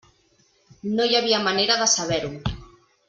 No hi havia manera de saber-ho.